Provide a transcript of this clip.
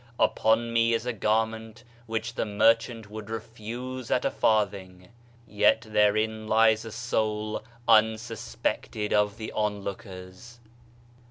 "Upon me is a garment which the merchant would refuse at a farthing. Yet therein lies a soul unsuspected of the onlookers."